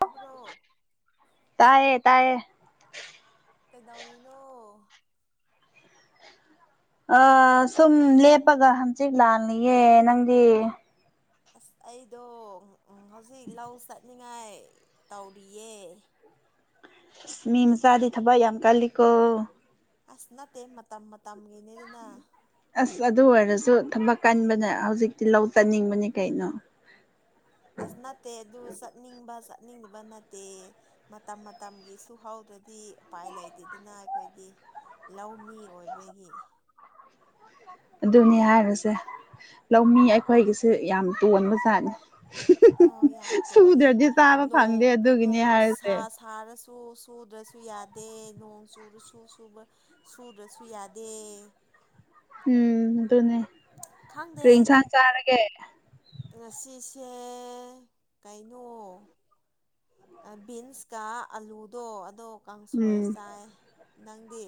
ꯇꯥꯕ꯭ꯔꯣ ꯇꯥꯏꯌꯦ ꯇꯥꯏꯌꯦ ꯀꯩꯗꯧꯔꯤꯅꯣ ꯑ ꯁꯨꯝ ꯂꯦꯞꯄꯒ ꯍꯛꯆꯤꯛ ꯂꯥꯡꯂꯤꯌꯦ ꯅꯪꯗꯤ ꯑꯁ ꯑꯩꯗꯣ ꯍꯧꯖꯤꯛ ꯂꯧ ꯆꯠ ꯆꯠꯅꯤꯉꯥꯏ ꯇꯧꯔꯤꯌꯦ ꯃꯤ ꯃꯆꯥꯗꯤ ꯊꯕꯛ ꯌꯥꯝ ꯀꯜꯂꯤꯀꯣ ꯑꯁ ꯅꯠꯇꯦ ꯃꯇꯝ ꯃꯇꯝꯒꯤꯅꯤꯗꯅ ꯑꯁ ꯑꯗꯨ ꯑꯣꯏꯔꯁꯨ ꯊꯕꯛ ꯀꯟꯕꯅ ꯍꯧꯖꯤꯛꯇꯤ ꯂꯧ ꯆꯠꯅꯤꯡꯕꯅꯤ ꯀꯩꯅꯣ ꯑꯁ ꯅꯠꯇꯦ ꯑꯗꯨ ꯆꯠꯅꯤꯡꯕ ꯆꯠꯅꯤꯡꯗꯕ ꯅꯠꯇꯦ ꯃꯇꯝ ꯃꯇꯝꯒꯤ ꯁꯨ ꯍꯧꯗ꯭ꯔꯗꯤ ꯎꯄꯥꯏ ꯂꯩꯇꯦꯗꯅ ꯑꯩꯈꯣꯏꯗꯤ ꯂꯧꯃꯤ ꯑꯣꯏꯕꯒꯤ [inaudible] ꯑꯗꯨꯅꯤ ꯍꯥꯏꯔꯣꯁꯦ ꯂꯧꯃꯤ ꯑꯩꯈꯣꯏꯒꯤꯁꯦ ꯌꯥꯝ ꯇꯣꯟꯕ ꯖꯥꯠꯅꯤ ꯑꯧ ꯌꯥꯝ ꯇꯣꯜꯂꯦ ꯁꯨꯗ꯭ꯔꯗꯤ ꯆꯥꯕ ꯐꯪꯗꯦ ꯑꯗꯨꯒꯤꯅꯦ ꯍꯥꯏꯔꯤꯁꯦ ꯅꯨꯁꯥ ꯁꯥꯔꯁꯨ ꯁꯨ ꯁꯨꯗ꯭ꯔꯁꯨ ꯌꯥꯗꯦ ꯅꯣꯡ ꯆꯨꯔꯁꯨ ꯁꯨꯗ꯭ꯔꯁꯨ ꯌꯥꯗꯦ [inaudible] ꯎꯝ ꯑꯗꯨꯅꯦ ꯈꯪꯗꯦ ꯀꯔꯤ ꯏꯟꯁꯥꯡ ꯆꯥꯔꯒꯦ ꯆꯦ ꯀꯥꯏꯅꯣ ꯕꯤꯟꯁꯀ ꯑꯂꯨꯗꯣ ꯑꯗꯣ ꯀꯥꯡꯁꯣꯏ ꯎꯝ ꯆꯥꯏ ꯅꯪꯗꯤ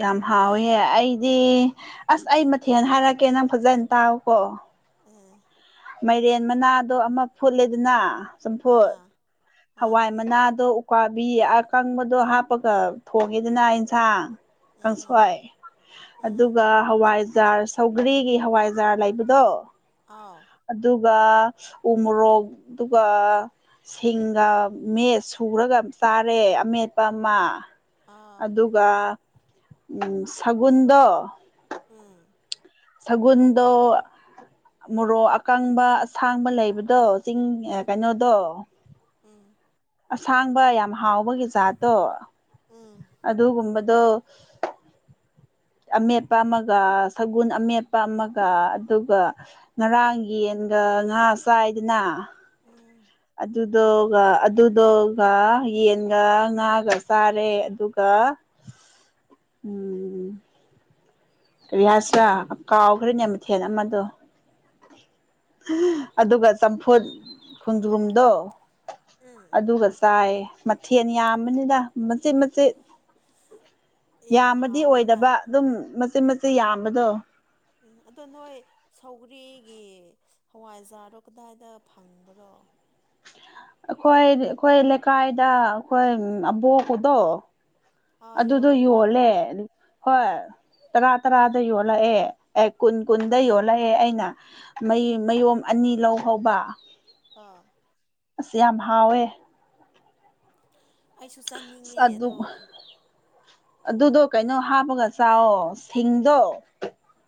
ꯌꯥꯝ ꯍꯥꯎꯋꯦ ꯑꯩꯗꯤ ꯑꯁ ꯑꯩ ꯃꯊꯦꯜ ꯍꯥꯏꯔꯛꯀꯦ ꯅꯪ ꯐꯖꯅ ꯇꯥꯎꯀꯣ ꯑꯦ ꯃꯥꯏꯔꯦꯟ ꯃꯅꯥꯗꯣ ꯑꯃ ꯐꯨꯠꯂꯦꯗꯅ ꯆꯝꯐꯨꯠ ꯑꯥ ꯑꯥ ꯍꯋꯥꯏ ꯃꯅꯥꯗꯣ ꯀꯥꯕꯤ ꯑꯀꯪꯕꯗꯣ ꯍꯥꯞꯄꯒ ꯊꯣꯡꯉꯦꯗꯅ ꯏꯟꯁꯥꯡ ꯀꯥꯡꯪ ꯎꯝ ꯁꯋꯥꯏ ꯎꯝ ꯑꯗꯨꯒ ꯍꯋꯥꯏꯖꯥꯔ ꯁꯧꯒꯔꯤꯒꯤ ꯍꯋꯥꯏꯖꯥꯔ ꯂꯩꯕꯗꯣ ꯑꯥꯎ ꯎꯝꯔꯛ ꯑꯗꯨꯒ ꯊꯤꯡꯒ ꯃꯦꯠ ꯁꯨꯔꯒ ꯆꯥꯔꯦ ꯑꯃꯦꯠꯄ ꯑꯃ ꯑꯥꯎ ꯑꯗꯨꯒ ꯎ ꯁꯒꯨꯟꯗꯣ ꯎꯝ ꯁꯒꯣꯜꯗꯣ ꯃꯣꯔꯣꯛ ꯑꯀꯪꯕ ꯑꯁꯥꯡꯕ ꯂꯩꯕꯗꯣ ꯀꯛ ꯆꯤꯡ ꯎꯝ ꯀꯩꯅꯣꯗꯣ ꯎꯝ ꯑꯁꯥꯡꯕ ꯌꯥꯝ ꯍꯥꯎꯕꯒꯤ ꯖꯥꯠꯇꯣ ꯎꯝ ꯑꯗꯨꯒꯨꯝꯕ ꯗꯣ ꯑꯃꯦꯠꯄ ꯑꯃꯒ ꯁꯒꯨꯟ ꯑꯃꯦꯠꯄ ꯑꯃꯒ ꯑꯗꯨꯒ ꯉꯔꯥꯡꯒꯤ ꯉꯥ ꯆꯥꯏꯗꯅ ꯎꯝ ꯑꯗꯨꯗꯨꯒ ꯑꯗꯨꯗꯨꯒ ꯌꯦꯟꯒ ꯉꯥꯒ ꯆꯥꯔꯦ ꯑꯗꯨꯒ ꯎꯝ ꯔꯤꯌꯥꯁ ꯀꯥꯎꯈ꯭ꯔꯦꯅꯦ ꯃꯊꯦꯟ ꯑꯃꯗꯣ ꯑꯗꯨꯒ ꯆꯝꯐꯨꯠ ꯍꯟꯖ꯭ꯔꯨꯝꯗꯣ ꯎꯝ ꯑꯗꯨꯒ ꯆꯥꯏꯌꯦ ꯃꯊꯦꯜ ꯌꯥꯝꯕꯅꯤꯅ ꯃꯆꯦꯠ ꯃꯆꯦꯠ ꯌꯥꯝ ꯌꯥꯝꯕꯗꯤ ꯍꯥꯎꯋꯦꯅ ꯑꯣꯏꯗꯕ ꯑꯗꯨꯝ ꯃꯆꯦꯠ ꯃꯆꯦꯠ ꯌꯥꯝꯕꯗꯣ ꯎꯝ ꯑꯗꯣ ꯅꯣꯏ ꯁꯧꯒ꯭ꯔꯤꯒꯤ ꯍꯋꯥꯏꯖꯥꯔꯣ ꯀꯗꯥꯏꯗ ꯐꯪꯕ꯭ꯔꯣ [unintelligible] ꯑꯩꯈꯣꯏ ꯑꯩꯈꯣꯏ ꯂꯩꯀꯥꯏꯗ ꯑꯩꯈꯣꯏ ꯑꯕꯣꯛꯄꯗꯣ ꯑꯥ ꯑꯗꯨꯗꯣ ꯌꯣꯟꯕ꯭ꯔꯣ ꯌꯣꯜꯂꯦ ꯍꯣꯏ ꯇꯔꯥ ꯇꯔꯥꯗ ꯌꯣꯜꯂꯛꯑꯦ ꯑꯦ ꯀꯨꯟ ꯀꯨꯟꯗ ꯌꯣꯜꯂꯛꯑꯦ ꯑꯩꯅ ꯃꯌꯨꯝ ꯑꯅꯤ ꯑꯅꯤ ꯂꯧ ꯍꯧꯕ ꯑꯥ ꯑꯁ ꯌꯥꯝ ꯍꯥꯎꯋꯦ ꯑꯩꯁꯨ ꯆꯥꯅꯤꯡꯉꯦ ꯑꯁ ꯑꯗꯨ ꯑꯗꯣ ꯑꯗꯨꯗꯣ ꯀꯩꯅꯣ ꯍꯥꯞꯄꯒ ꯆꯑꯣꯣ ꯁꯤꯡꯗꯣ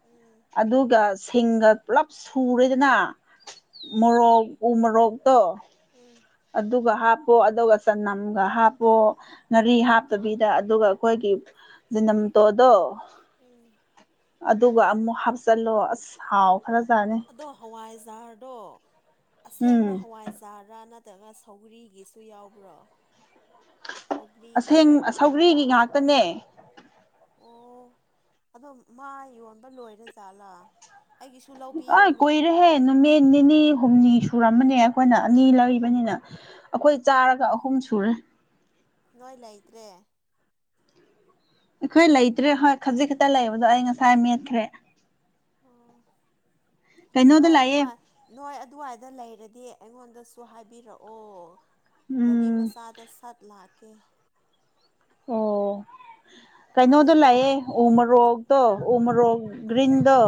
ꯎꯝ ꯑꯗꯨꯒ ꯁꯤꯡꯒ ꯄꯨꯂꯞ ꯁꯨꯔꯦꯗꯅ ꯎꯝ ꯃꯣꯔꯣꯛ ꯎ ꯃꯣꯔꯣꯛꯇꯣ ꯎꯝ ꯑꯗꯨꯒ ꯍꯥꯞꯄꯣ ꯑꯗꯨꯒ ꯆꯅꯝꯒ ꯍꯥꯞꯄꯣ ꯉꯥꯔꯤ ꯍꯥꯞꯇꯕꯤꯗ ꯑꯗꯨꯒ ꯑꯩꯈꯣꯏꯒꯤ ꯅꯝ ꯇꯣꯗꯣ ꯎꯝ ꯑꯗꯨꯒ ꯑꯃꯨꯛ ꯍꯥꯞꯆꯤꯜꯂꯣ ꯑꯁ ꯍꯥꯎ ꯈꯔ ꯆꯥꯅꯤ ꯑꯗꯣ ꯍꯋꯥꯏꯖꯥꯔꯗꯣ ꯑꯁꯦꯡꯕ ꯎꯝ ꯍꯋꯥꯏꯖꯥꯔꯔ ꯅꯠꯇ ꯅꯠꯇꯒ ꯁꯧꯒꯔꯤꯒꯤꯁꯨ ꯌꯥꯎꯕ꯭ꯔꯣ ꯁꯧꯒ꯭ꯔꯤꯒꯤ ꯑꯁꯦꯡ ꯁꯧꯒꯔꯤꯒꯤ ꯉꯥꯛꯇꯅꯦ ꯑꯣ ꯑꯗꯣ ꯃꯥ ꯌꯣꯟꯕ ꯂꯣꯏꯔꯦꯖꯥꯠꯂꯥ ꯑ ꯀꯔꯍꯦ ꯅꯃꯤꯅꯤꯅꯤ ꯍꯨꯝꯅꯤ ꯁꯨꯔꯝꯕꯅꯦ ꯑꯩꯈꯣꯏꯅ ꯑꯅꯤ ꯂꯩꯕꯅꯤꯅ ꯑꯩꯈꯣꯏ ꯆꯥꯔꯒ ꯑꯍꯨꯝ ꯁꯨꯔꯦ ꯅꯣꯏ ꯂꯩꯇ꯭ꯔꯦ ꯑꯩꯈꯣꯏ ꯂꯩꯇ꯭ꯔꯦ ꯍꯣꯏ ꯈꯖꯤꯛ ꯈꯛꯇ ꯂꯩꯕꯗꯣ ꯑꯩ ꯉꯁꯥꯏ ꯃꯦꯠꯈ꯭ꯔꯦ ꯑꯣ ꯀꯩꯅꯣꯗ ꯅꯣꯏ ꯂꯥꯛꯑꯦ ꯑꯗꯨꯏ ꯅꯣꯏ ꯑꯗꯨꯋꯥꯏꯗ ꯂꯩꯔ ꯑꯗꯨꯗꯤ ꯑꯩꯉꯣꯟꯗ ꯍꯥꯏꯕꯤꯔꯛꯑꯣ ꯒꯥꯔꯤ ꯎꯝ ꯃꯆꯥꯗ ꯁꯠ ꯀꯦ ꯑꯣ ꯀꯩꯅꯣꯗꯣ ꯑꯗꯨꯗꯣ ꯂꯥꯛꯑꯦ ꯎ ꯑꯗꯨ ꯃꯣꯔꯣꯛꯇꯣ ꯎ ꯃꯣꯔ꯭ꯣꯛ ꯒꯤꯔꯤꯟꯗꯣ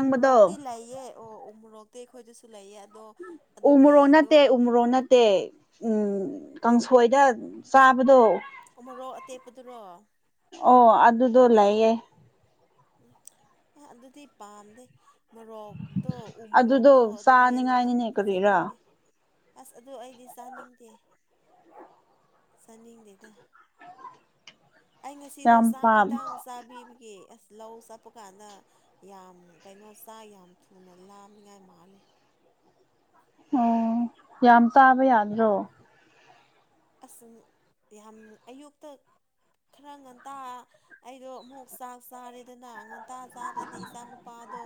ꯎꯃꯣꯔꯣꯛꯇꯤ ꯂꯩꯌꯦ ꯑꯣ ꯎꯃꯣꯔꯣꯛꯇꯤ ꯑꯩꯈꯣꯏꯗꯁꯨ ꯂꯩꯌꯦ ꯑꯗꯣ ꯎꯃꯣꯔꯣꯛ ꯑꯗꯨꯒꯤꯗꯣ ꯅꯠꯇꯦ ꯎꯃꯣꯔꯣꯛ ꯅꯠꯇꯦ ꯎꯝ ꯀꯥꯡꯁꯣꯏꯗ ꯆꯥꯕꯗꯣ ꯎꯃꯣꯔꯣꯛ ꯑꯇꯦꯛꯄꯗꯨꯔꯣ ꯑꯣ ꯑꯗꯨꯗꯣ ꯂꯩꯌꯦ ꯎꯝ ꯑ ꯑꯗꯨꯗꯤ ꯄꯥꯝꯗꯦ ꯃꯣꯔꯣꯛꯇꯣ ꯎ ꯃꯣꯔꯣꯛꯇꯣ ꯑꯗꯨꯗꯣ ꯑꯗꯨꯝ ꯃꯦꯜꯂꯒ ꯆꯥꯅꯤꯡꯉꯥꯏꯅꯤꯅꯦ ꯀꯔꯤꯔꯥ ꯆꯥꯅꯤꯡꯉꯦ ꯑꯁ ꯑꯗꯨ ꯑꯩꯗꯤ ꯆꯥꯅꯤꯡꯗꯦ ꯆꯥꯅꯤꯡꯗꯦꯗ ꯑꯩ ꯉꯁꯤꯗꯣ ꯌꯥꯝ ꯆꯥꯛ ꯄꯥꯝ ꯈꯤꯇꯪ ꯆꯥꯕꯤꯕꯒꯦ ꯑꯁ ꯂꯧ ꯆꯠꯄ ꯀꯥꯟꯗ ꯌꯥꯝ ꯀꯩꯅꯣ ꯆꯥ ꯌꯥꯝ ꯊꯨꯅ ꯂꯥꯝꯅꯤꯉꯥꯏ ꯃꯥꯜꯂꯤ ꯑꯣ ꯌꯥꯝ ꯆꯥꯕ ꯌꯥꯗ꯭ꯔꯣ ꯑꯁ ꯌꯥꯝ ꯑꯌꯨꯛꯇ ꯈꯔ ꯉꯟꯇꯥ ꯑꯩꯗꯣ ꯑꯃꯨꯛ ꯆꯥꯛ ꯆꯥꯔꯦꯗꯅ ꯉꯟ ꯇꯥ ꯆꯥꯗ꯭ꯔꯗꯤ ꯏꯆꯥ ꯅꯨꯨꯄꯥꯗꯣ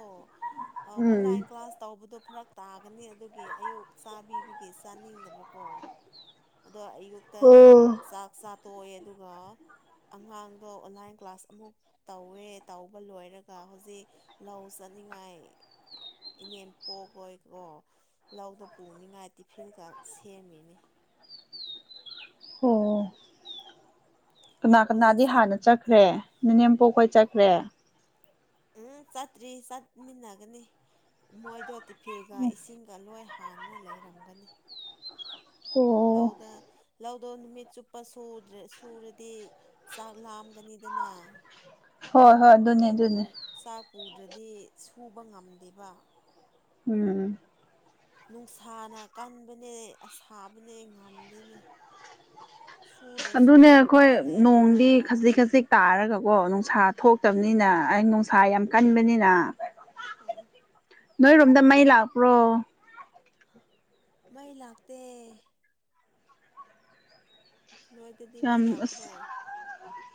ꯎꯝ ꯑꯣꯟꯂꯥꯏꯟ ꯀ꯭ꯂꯥꯁ ꯇꯧꯕꯗꯣ ꯐꯔꯛ ꯇꯥꯒꯅꯤ ꯑꯗꯨꯒꯤ ꯑꯌꯨꯛ ꯆꯥꯕꯤꯕꯒꯤ ꯆꯥꯅꯤꯡꯗꯕꯀꯣ ꯑꯗꯣ ꯑꯌꯨꯛꯇ ꯑꯣ ꯆꯥꯛ ꯆꯥ ꯇꯣꯛꯑꯦ ꯑꯗꯨꯒ ꯑꯉꯥꯡꯗꯣ ꯑꯣꯟꯂꯥꯏꯟ ꯀ꯭ꯂꯥꯁ ꯑꯃꯨꯛ ꯇꯧꯋꯦ ꯇꯧꯕ ꯂꯣꯏꯔꯒ ꯍꯧꯖꯤꯛ ꯂꯧ ꯅꯤꯡꯉꯥꯏ ꯏꯅꯦꯝ ꯄꯣꯛꯍꯣꯏꯗꯣ ꯂꯧꯗ ꯄꯨꯅꯤꯡꯉꯥꯏ ꯇꯤꯐꯤꯟꯒ ꯁꯦꯝꯃꯤꯅꯦ ꯑꯣ ꯀꯅꯥ ꯍꯧꯖꯤꯛ ꯀꯅꯥꯗꯤ ꯆꯠ ꯍꯥꯟꯅ ꯆꯠꯈ꯭ꯔꯦ ꯅꯅꯦꯝ ꯄꯣꯛ ꯍꯣꯏ ꯆꯠꯈ꯭ꯔꯦ ꯎꯝ ꯆꯠꯇ꯭ꯔꯤ ꯆꯠꯃꯤꯟꯅꯒꯅꯤ ꯃꯣꯏꯗꯣ ꯇꯤꯐꯤꯜꯒ ꯏꯁꯤꯡꯒ ꯂꯣꯏ ꯍꯥꯟꯅ ꯂꯩꯔꯝꯒꯅꯤ ꯑꯣ ꯂꯧꯗ ꯂꯧꯗꯣ ꯅꯨꯃꯤꯠ ꯆꯨꯞꯄ ꯁꯨꯗ꯭ꯔꯦ ꯁꯨꯔꯗꯤ ꯆꯥꯛ ꯂꯥꯝꯒꯅꯤꯗꯅ ꯍꯣꯏ ꯍꯣꯏ ꯑꯗꯨꯅꯦ ꯑꯗꯨ ꯑꯗꯨꯅꯦ ꯆꯥꯛ ꯄꯨꯗ꯭ꯔꯗꯤ ꯁꯨꯕ ꯉꯝꯗꯦꯕ ꯎꯝ ꯅꯨꯡꯁꯥꯅ ꯀꯟꯕꯅꯦ ꯑꯁꯥꯕꯅꯦ ꯉꯝꯗꯦꯅꯦ ꯁꯨꯗ꯭ꯔꯁꯨ ꯑꯗꯨꯅꯦ ꯑꯩꯈꯣꯏ ꯎꯄꯥꯏ ꯂꯩꯇꯕ ꯅꯣꯡꯗꯤ ꯈꯖꯤꯛ ꯈꯖꯤꯛ ꯇꯥꯔꯒ ꯑꯣ ꯅꯨꯡꯁꯥ ꯊꯣꯛꯇꯕꯅꯤꯅ ꯑꯩ ꯅꯨꯡꯁꯥ ꯌꯥꯝ ꯀꯟꯕꯅꯤꯅ ꯎ ꯅꯣꯏꯔꯣꯝꯗ ꯃꯩ ꯂꯥꯛꯄ꯭ꯔꯣ ꯃꯩ ꯂꯥꯛꯇꯦ ꯅꯣꯏꯗꯗꯤ ꯌꯥꯝ ꯃꯩ ꯑꯁ ꯂꯥꯛꯄ꯭ꯔꯣ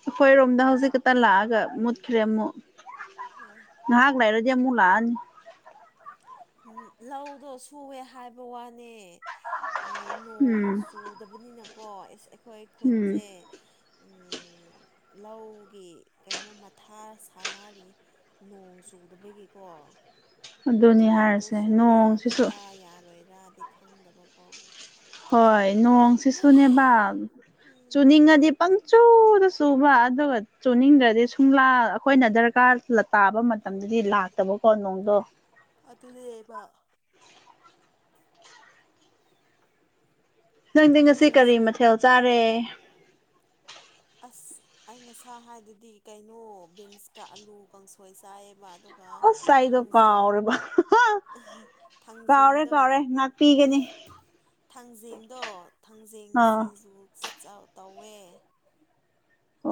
ꯑꯩꯈꯣꯏꯔꯣꯝꯗ ꯍꯧꯖꯤꯛ ꯈꯛꯇ ꯂꯥꯛꯑꯒ ꯃꯨꯠꯈ꯭ꯔꯦ ꯑꯃꯨꯛ ꯉꯥꯏꯍꯥꯛ ꯂꯩꯥꯔꯗꯤ ꯑꯃꯨꯛ ꯂꯥꯛ ꯑꯅꯤ ꯂꯧꯗꯣ ꯁꯨꯏꯌꯦ ꯍꯥꯏꯕ ꯋꯥꯅꯦ ꯅꯣꯡ ꯎꯝ ꯆꯨꯗꯕꯅꯤꯅꯀꯣ ꯑꯩꯈꯣꯏ ꯎꯝ ꯈꯨꯟꯁꯦ [unintelligible] ꯂꯧꯒꯤ ꯀꯩꯅꯣ ꯃꯊꯥ ꯁꯥꯟꯅꯔꯤ ꯅꯣꯡ ꯆꯨꯗꯕꯒꯤꯀꯣ [unintelligible] ꯊꯕꯛꯇꯣ ꯍꯥꯏꯔꯤꯁꯦ ꯁꯨꯕ ꯅꯣꯡꯁꯤꯁꯨ ꯌꯥꯒꯗ꯭ꯔꯥ ꯌꯥꯔꯣꯏꯗ꯭ꯔꯥꯗꯤ ꯈꯪꯗꯕꯀꯣ ꯍꯣꯏ ꯅꯣꯡꯁꯤꯁꯨꯅꯦꯕ ꯎꯝ ꯆꯨꯅꯤꯡꯉꯗꯤ ꯄꯪꯆꯨꯗ ꯆꯨꯕ ꯑꯗꯨꯒ ꯆꯨꯅꯤꯡꯗ꯭ꯔꯗꯤ ꯁꯨꯡꯂꯥ ꯑꯩꯈꯣꯏꯅ ꯗꯔꯀꯥꯔ ꯇꯥꯕ ꯃꯇꯝꯗꯗꯤ ꯂꯥꯛꯇꯕꯀꯣ ꯅꯣꯡꯗꯣ ꯑꯗꯨꯅꯦꯕ ꯅꯪꯗꯤ ꯉꯁꯤ ꯀꯔꯤ ꯅꯣꯡꯖꯨ ꯃꯊꯦꯜ ꯆꯥꯔꯦ ꯑꯁ ꯑꯩ ꯉꯁꯥ ꯍꯥꯏꯗꯨꯗꯤ ꯀꯩꯅꯣ ꯕꯤꯟꯁꯀ ꯑꯥꯂꯨ ꯀꯥꯡꯁꯣꯏ ꯆꯥꯏꯌꯦꯕ ꯑꯣ ꯑꯁ ꯑꯩꯗꯣ ꯀꯥꯎꯔꯦꯕ ꯀꯥꯎꯔꯦ ꯊꯥꯡꯖꯤꯡꯗꯣ ꯀꯥꯎꯔꯦ ꯉꯥꯛꯄꯤꯒꯅꯤ ꯊꯥꯡꯖꯤꯡꯗꯣ ꯊꯥꯡꯖꯤꯡ ꯑꯥ ꯁꯤꯡꯖꯨ ꯇꯧꯋꯦ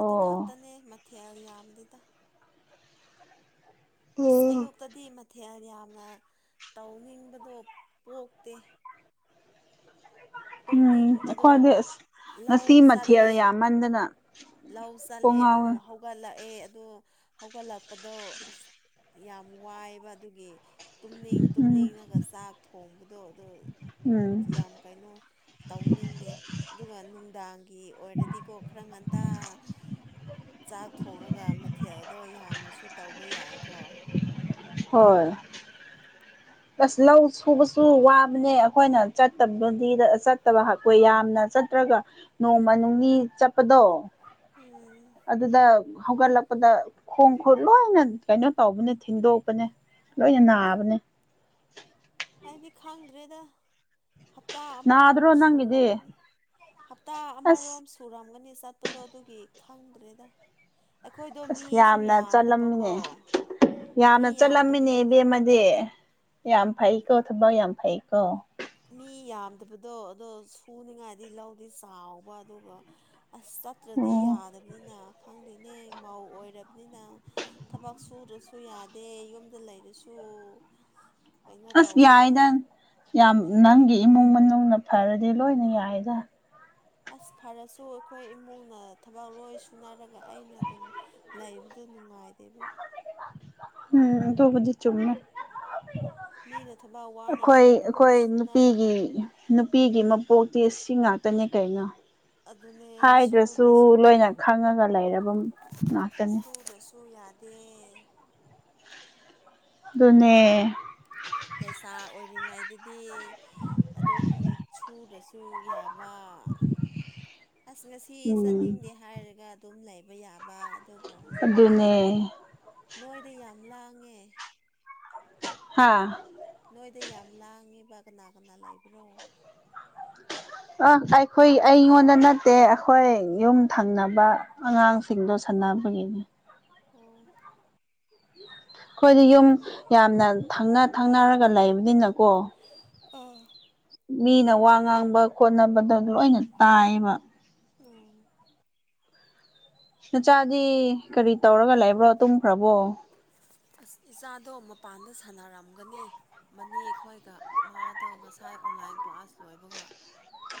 ꯑꯗꯨ ꯈꯛꯇꯅꯦ ꯃꯊꯦꯜ ꯌꯥꯝꯗꯦꯗ ꯑꯁ ꯎꯝ ꯑꯌꯣꯛꯇꯗꯤ ꯌꯥꯝꯅ ꯇꯧꯅꯤꯡꯕꯗꯣ ꯄꯣꯛꯇꯦ ꯎꯝ ꯇꯨꯝꯅꯤꯡꯕꯗꯣ ꯑꯩꯈꯣꯏꯗꯤ ꯑꯁ ꯂꯧ ꯉꯁꯤ ꯃꯊꯦꯜ ꯆꯠꯂꯦ ꯌꯥꯝꯃꯟꯗꯅ ꯂꯧ ꯀꯣꯡ ꯆꯜꯂꯦ ꯉꯥꯎꯋꯦ ꯑꯃꯨꯛ ꯍꯧꯒꯠꯂꯛꯑꯦ ꯑꯣ ꯍꯧꯒꯠꯂꯛꯄꯗꯣ ꯑꯁ ꯌꯥꯝ ꯋꯥꯏꯕ ꯑꯗꯨꯒꯤ ꯇꯨꯝꯅꯤꯡ ꯎꯝ ꯇꯨꯝꯅꯤꯡꯉꯒ ꯆꯥꯛ ꯊꯣꯡꯕꯗꯣ ꯑꯗꯨ ꯎꯝ ꯌꯥꯝ ꯀꯩꯅꯣ ꯇꯧꯅꯤꯡꯗꯦ ꯑꯗꯨꯒ ꯅꯨꯡꯗꯥꯡꯒꯤ ꯑꯣꯏꯔꯗꯤꯀꯣ ꯈꯔ ꯉꯟꯇ ꯆꯥꯛ ꯊꯣꯡꯂꯒ ꯃꯊꯦꯜꯗꯣ ꯌꯥꯝꯅꯁꯨ ꯇꯧꯕ ꯌꯥꯏꯀꯣ ꯍꯣꯏ ꯑꯁ ꯂꯧ ꯁꯨꯕꯁꯨ ꯋꯥꯕꯅꯦ ꯑꯩꯈꯣꯏꯅ ꯆꯠꯇꯕꯗ ꯆꯠꯇꯕꯄꯣꯏ ꯌꯥꯝꯅ ꯔꯒ ꯅꯣꯡꯃꯅꯤ ꯆꯠꯄꯗꯣ ꯎꯝ ꯑꯗꯨꯗ ꯍꯧꯒꯠꯂꯛꯄꯗ ꯈꯣꯡ ꯈꯨꯠ ꯂꯣꯏꯅ ꯀꯩꯅꯣ ꯇꯧꯕꯅ ꯊꯤꯟꯗꯣꯛ ꯅꯦ ꯂꯣꯏꯅ ꯅꯥꯕꯅꯦ ꯍꯥꯏꯗꯤ ꯈꯪꯗ꯭ꯔꯦꯗ ꯍꯞꯇꯥ ꯑꯃꯃꯨꯛ ꯅꯥꯗ꯭ꯔꯣ ꯅꯪꯒꯤꯗꯤ ꯁꯨꯔꯝꯃꯅꯤ ꯍꯞꯇꯥ ꯑꯁ ꯑꯃꯔꯣꯝ ꯁꯨꯔꯝꯒꯅꯤ ꯆꯠꯄꯗꯣ ꯑꯗꯨꯒꯤ ꯈꯪꯗ꯭ꯔꯦꯗ ꯑꯩꯈꯣꯏꯗꯣ ꯑꯁ ꯃꯤꯁꯨ ꯌꯥꯝꯅ ꯌꯥꯝꯗꯕꯀꯣ ꯆꯠꯂꯝꯃꯤꯅꯦ ꯃꯤ ꯌꯥꯝꯅ ꯆꯠꯂꯝꯃꯤꯅꯦ ꯌꯥꯝꯗꯕꯗꯨꯗ ꯏꯕꯦꯝꯃꯗꯤ ꯌꯥꯝ ꯐꯩꯀꯣ ꯊꯕꯛ ꯌꯥꯝ ꯐꯩꯀꯣ ꯃꯤ ꯌꯥꯝꯗꯕꯗꯣ ꯑꯗꯣ ꯁꯨꯅꯤꯉꯥꯏꯗꯤ ꯂꯧꯗꯤ ꯆꯥꯎꯕ ꯑꯗꯨꯒ ꯑꯁ ꯆꯠꯇ꯭ꯔꯗꯤ ꯑꯣ ꯌꯥꯗꯕꯅꯤꯅ ꯈꯪꯗꯣꯏꯅꯦ ꯃꯧ ꯑꯣꯏꯔꯕꯅꯤꯅ ꯊꯕꯛ ꯁꯨꯨꯔꯁꯨ ꯌꯥꯗꯦ ꯌꯨꯝꯗ ꯂꯩꯔꯁꯨ ꯀꯩꯅꯣ ꯑꯁ ꯇꯧꯋꯦ ꯌꯥꯏꯗ ꯌꯥꯝ ꯈꯪꯗꯦ ꯅꯪꯒꯤ ꯏꯃꯨꯡ ꯃꯅꯨꯡꯅ ꯐꯔꯗꯤ ꯂꯣꯏꯅ ꯌꯥꯏꯗ ꯑꯁ ꯐꯔꯁꯨ ꯑꯩꯈꯣꯏ ꯏꯃꯨꯡꯅ ꯊꯕꯛ ꯂꯣꯏ ꯁꯨꯅꯔꯒ ꯑꯩꯅ ꯑꯗꯨꯝ ꯂꯩꯕꯗꯨ ꯑꯗꯨ ꯅꯨꯡꯉꯥꯏꯗꯦꯕ ꯎꯝ ꯗꯨꯕꯨꯗꯤ ꯆꯨꯝꯃꯦ ꯃꯤꯅ ꯊꯕꯛ ꯋꯥꯅ ꯑꯩꯈꯣꯏ ꯑꯗꯨꯝ ꯑꯩꯈꯣꯏ ꯁꯨꯅꯔꯒ ꯅꯨꯄꯤꯒꯤ ꯅꯨꯄꯤꯒꯤ ꯃꯄꯣꯛ ꯁ ꯁꯤ ꯉꯥꯛꯇꯅꯦ ꯀꯩꯅꯣ ꯑꯗꯨꯅꯦ ꯍꯥꯏꯗ꯭ꯔꯁꯨ ꯁꯨꯗ꯭ꯔꯁꯨ ꯂꯣꯏꯅ ꯈꯪꯉꯒ ꯂꯩꯔꯕ ꯉꯥꯛꯇꯅꯤ ꯗ ꯑꯗꯨꯅꯦ ꯂꯩꯁꯥ ꯑꯣꯏꯔꯤꯉꯩꯗꯗꯤ ꯑꯗꯨꯝ ꯁꯨꯔꯁꯨ ꯌꯥꯕ ꯎ ꯑꯁ ꯉꯁꯤ ꯆꯠꯅꯤꯡꯗꯦ ꯍꯥꯏꯔꯒ ꯑꯗꯨꯝ ꯂꯩꯕ ꯌꯥꯕ ꯑꯗꯨꯕꯨ ꯍꯧꯖꯤꯛꯇꯤ ꯑꯗꯨꯅꯦ ꯅꯣꯏꯗ ꯌꯥꯝ ꯂꯥꯡꯉꯦ ꯍꯥꯥ ꯅꯣꯏꯗ ꯌꯥꯝ ꯂꯥꯡꯉꯤꯕ ꯀꯅꯥ ꯀꯅꯥ ꯂꯩꯕ꯭ꯔꯣ ꯑ ꯑꯩꯈꯣꯏ ꯑꯩꯉꯣꯟꯗ ꯅꯠꯇꯦ ꯑꯩꯈꯣꯏ ꯌꯨꯝ ꯊꯪꯅꯕ ꯑꯉꯥꯡꯁꯤꯡꯗꯣ ꯑꯅꯥꯕꯒꯤꯅꯦ ꯑꯣ ꯑꯩꯈꯣꯏꯗꯤ ꯌꯨꯝ ꯌꯥꯝꯅ ꯊꯪꯅ ꯊꯪꯅꯔꯒ ꯂꯩꯕꯅꯤꯅꯀꯣ ꯑꯥ ꯃꯤꯅ ꯋꯥ ꯉꯥꯡꯕ ꯈꯣꯠꯅꯕꯗ ꯂꯣꯏꯅ ꯇꯥꯏꯌꯦꯕ ꯑꯣ ꯅꯆꯥꯗꯤ ꯀꯔꯤ ꯇꯧꯔꯒ ꯂꯩꯕ꯭ꯔꯣ ꯇꯨꯝꯈ꯭ꯔꯕꯣ ꯑꯁ ꯏꯆꯥꯗꯣ ꯃꯄꯥꯟꯗ ꯁꯥꯟꯅꯔꯝꯒꯅꯤ ꯃꯅꯦ ꯑꯩꯈꯣꯏꯒ ꯃꯥꯗꯣ ꯉꯁꯥ ꯑꯣꯟꯂꯥꯏꯟ ꯀ꯭ꯂꯥꯁ ꯂꯣꯏꯕꯒ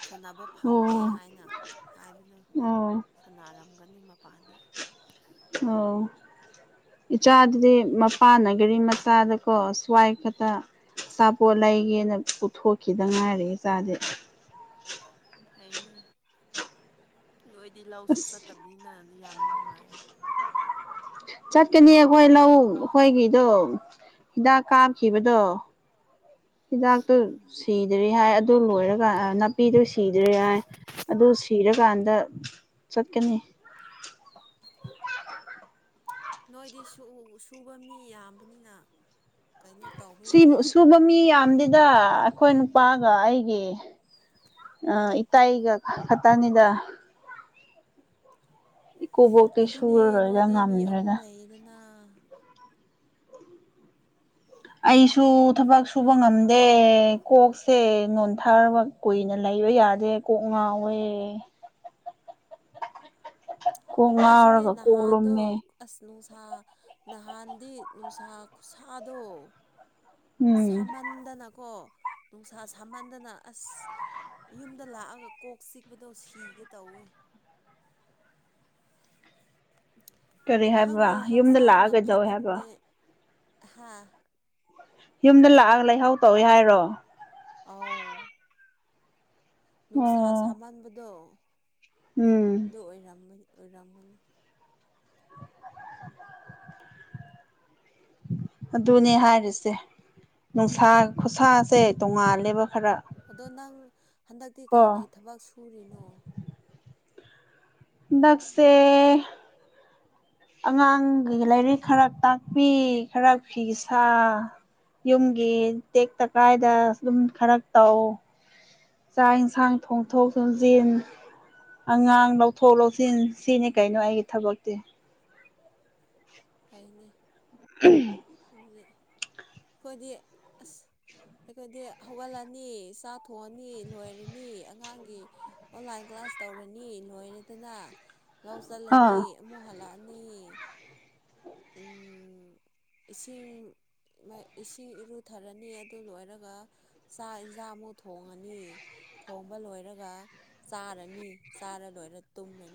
ꯁꯥꯟꯅꯕ ꯐꯪꯗꯦ ꯑꯣ ꯍꯥꯏꯅ ꯍꯥꯏꯕꯅ ꯑꯣ ꯁꯥꯟꯅꯔꯝꯒꯅꯤ ꯃꯄꯥꯟ ꯑꯣ ꯏꯆꯥꯗꯨꯗꯤ ꯃꯄꯥꯥꯟꯅꯒꯔꯤ ꯃꯆꯥꯗꯀꯣ ꯁ꯭ꯋꯥꯏ ꯈꯛꯇ ꯑꯆꯥꯄꯣꯠ ꯎꯝ ꯂꯩꯒꯦꯅ ꯄꯨꯊꯣꯛꯈꯤꯗꯪ ꯉꯥꯏꯔꯛꯑꯦ ꯏ ꯆꯥꯁꯦ ꯐꯥꯏꯅꯦ ꯅꯣꯏꯗꯤ ꯂꯧꯁꯨ ꯑꯁ ꯆꯠꯇꯕꯅꯤꯅ ꯌꯥꯝ ꯅꯨꯡꯉꯥꯏꯌꯦ ꯆꯠꯀꯅꯤ ꯑꯩꯈꯣꯏ ꯂꯧ ꯆꯠꯀꯅꯤ ꯑꯩꯈꯣꯏ ꯂꯧ ꯑꯩꯈꯣꯏꯒꯤꯗꯣ ꯑꯩꯈꯣꯏꯒꯤꯗꯣ ꯍꯤꯗꯥꯛ ꯀꯥꯞꯈꯤꯕꯗꯣ ꯍꯤꯗꯥꯛꯇꯣ ꯎꯝ ꯁꯤꯗ꯭ꯔꯤ ꯍꯥꯏ ꯑꯗꯨ ꯂꯣꯏꯔꯀꯥꯟ ꯅꯥꯄꯤꯗꯨ ꯁꯤꯗ꯭ꯔꯦ ꯍꯥꯏ ꯑꯗꯨ ꯁꯤꯔꯀꯥꯟꯗ ꯆꯠꯀꯅꯤ [unintelligible] ꯅꯣꯏꯗꯤ ꯁꯨꯕ ꯃꯤ ꯌꯥꯝꯕꯅꯤꯅ ꯀꯩꯅꯣ ꯇꯧꯕ ꯁꯤꯕꯨ ꯌꯥꯏꯗ ꯁꯨꯕ ꯃꯤ ꯌꯥꯝꯗꯤꯗ ꯑꯩꯈꯣꯏ ꯅꯨꯄꯥꯒ ꯑꯩꯒꯤ ꯏꯇꯒ ꯈꯇꯥꯅꯤꯗ ꯑꯗꯨꯅꯦ ꯁꯨꯔꯔꯣꯏꯗ ꯅꯣꯏꯗꯤ ꯃꯤ ꯑꯍꯨꯝ ꯉꯝꯗ꯭ꯔꯦꯗ ꯂꯩꯌꯦꯗꯅ ꯑꯩꯁꯨ ꯊꯕꯛ ꯁꯨꯕ ꯉꯝꯗꯦ ꯀꯣꯛꯁꯦ ꯅꯣꯟꯊꯥꯒ ꯀꯨꯏꯅ ꯂꯩ ꯀꯕ ꯌꯥꯗꯦ ꯀꯣꯛ ꯉꯥꯎꯋꯦ ꯀꯣꯛ ꯑꯩꯁꯨꯅꯦ ꯉꯥꯎꯔꯒ ꯀꯣꯛ ꯅꯍꯥꯟꯗꯣ ꯂꯨꯝꯃꯦ ꯑꯁꯅ ꯅꯨꯡꯁꯥ ꯅꯍꯥꯟꯗꯤ ꯅꯨꯡꯁꯥ ꯈꯨꯠꯁꯥꯗꯣ ꯎꯝ ꯁꯥꯃꯟꯗꯅꯀꯣ ꯅꯨꯡꯁꯥ ꯁꯥꯃꯟꯗꯅ ꯑꯁ ꯌꯨꯝꯗ ꯂꯥꯛꯑꯒ ꯀꯣꯛ ꯆꯤꯛꯄꯗꯣ ꯁꯤꯒꯦ ꯇꯧꯋꯦ [unintelligible] ꯀꯔꯤ ꯍꯥꯏꯕ ꯈꯪꯗꯦ ꯌꯨꯝꯗ ꯂꯥꯛꯑꯒꯗꯧꯋꯦ ꯍꯥꯏꯕ ꯍꯥꯥ ꯌꯨꯝꯗ ꯂꯥꯛꯑꯒ ꯂꯩꯍꯥꯎ ꯇꯧꯏꯤ ꯍꯥꯏꯔꯣ ꯑꯥꯎ ꯅꯨꯡꯁꯥ ꯑꯣ ꯁꯥꯃꯟꯕꯗꯣ ꯎꯝ ꯑꯗꯨ ꯑꫭꯏꯔꯝꯅꯤ ꯑꯣꯏꯔꯝꯃꯅꯤ ꯑꯗꯨꯅꯦ ꯍꯥꯏꯔꯤꯁꯦ ꯅꯨꯡꯁꯥ ꯈꯨꯁꯥꯁꯦ ꯇꯣꯡꯉꯥꯜꯂꯦꯕ ꯈꯔ ꯑꯗꯣ ꯅꯪ ꯍꯟꯗꯛꯇꯤ ꯀꯣ ꯀꯩꯀꯩ ꯊꯕꯛ ꯁꯨꯔꯤꯅꯣ ꯍꯟꯗꯛꯁꯦ ꯑꯉꯥꯡꯒꯤ ꯂꯥꯏꯔꯤꯛ ꯈꯔ ꯇꯥꯛꯄꯤ ꯈꯔ ꯐꯤꯁ ꯌꯨꯝꯒꯤ ꯇꯦꯛꯇ ꯀꯥꯏꯗ ꯑꯗꯨꯝ ꯈꯔ ꯇꯧ ꯆꯥꯛ ꯌꯦꯟꯁꯥꯡ ꯊꯣꯡꯊꯣꯛ ꯊꯣꯡꯖꯤꯟ ꯑꯉꯥꯡ ꯂꯧꯊꯣꯛ ꯂꯧꯁꯤꯟ ꯁꯤꯅꯤ ꯀꯩꯅꯣ ꯑꯩꯒꯤ ꯊꯕꯛꯇꯤ ꯐꯩꯅꯦ ꯑꯗꯨ ꯑꯩꯈꯣꯏꯗꯤ ꯑꯁ ꯑꯩꯈꯣꯏꯗꯤ ꯍꯧꯒꯠꯂꯅꯤ ꯆꯥ ꯊꯣꯛꯑꯅꯤ ꯂꯣꯏꯔꯅꯤ ꯑꯉꯥꯡꯒꯤ ꯑꯣꯟꯂꯥꯏꯟ ꯀ꯭ꯂꯥꯁ ꯀ꯭ꯂꯥꯁ ꯇꯧꯔꯅꯤ ꯂꯣꯏꯔꯗꯅ ꯂꯥꯎ ꯑꯥ ꯆꯜꯂꯅꯤ ꯑꯃꯨꯛ ꯍꯜꯂꯛꯑꯅꯤ ꯎꯝ ꯏꯁꯤꯡ ꯏꯁꯤꯡ ꯏꯔꯨꯊꯔꯅꯤ ꯑꯗꯨ ꯂꯣꯏꯔꯒ ꯆꯥꯛ ꯏꯟꯁꯥꯡ ꯑꯃꯨꯛ ꯊꯣꯡꯉꯅꯤ ꯊꯣꯡꯕ ꯂꯣꯏꯔꯒ ꯆꯥꯔꯅꯤ ꯆꯥꯔ ꯂꯣꯏꯔ ꯇꯨꯝꯃꯅꯤ